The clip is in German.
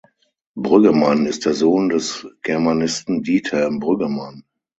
Brüggemann ist der Sohn des Germanisten Diethelm Brüggemann.